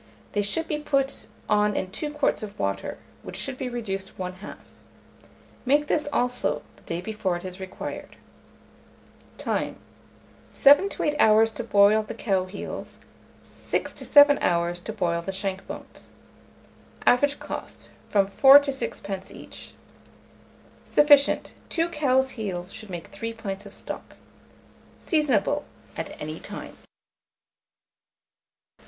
They should be put on in 2 quarts of water, which should be reduced one half. Make this also the day before it is required. Time. 7 to 8 hours to boil the cow heels, 6 to 7 hours to boil the shank bones. Average cost, from 4d. to 6d. each. Sufficient. 2 cow heels should make 3 pints of stock. Seasonable at any time.